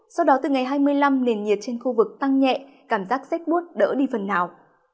sau đó từ ngày hai mươi năm nền nhiệt trên khu vực tăng nhẹ cảm giác rét bút đỡ đi phần nào